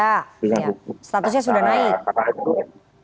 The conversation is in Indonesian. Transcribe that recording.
statusnya sudah naik